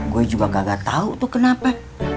gue juga kagak tahu tuh kenapa